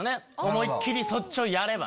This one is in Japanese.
思いっ切りそっちをやれば。